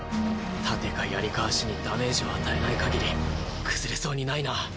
盾か槍か足にダメージを与えないかぎり崩れそうにないな。